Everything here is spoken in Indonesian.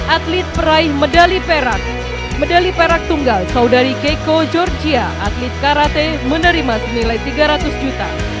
atlet peraih medali perak medali perak tunggal saudari keiko georgia atlet karate menerima senilai tiga ratus juta